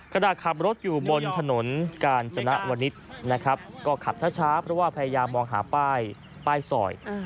ขณะขับรถอยู่บนถนนกาญจนวนิษฐ์นะครับก็ขับช้าเพราะว่าพยายามมองหาป้ายซอย